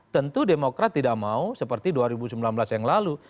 tentu demokrat tidak mau seperti dua ribu sembilan belas yang lalu